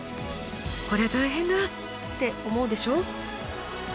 こりゃ大変だ！って思うでしょ？